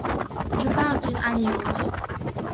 Je parle d'une alliance.